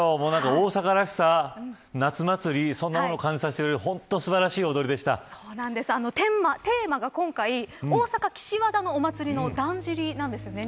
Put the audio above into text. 大阪らしさ、夏祭りそんなもの感じさせてくれるテーマが今回大阪岸和田のお祭りのだんじりなんですよね